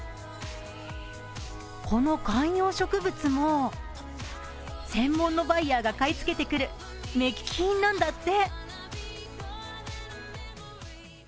この観葉植物も専門のバイヤーが買い付けてくる目利き品なんだって。